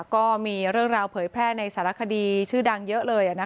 ก็มีเรื่องราวเผยแพร่ในสารคดีชื่อดังเยอะเลย